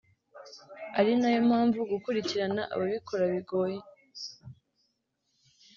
ari nayo mpamvu gukurikirana ababikora bigoye